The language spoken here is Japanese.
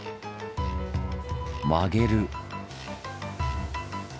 曲げる！